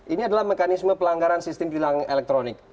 ini adalah mekanisme pelanggaran sistem tilang elektronik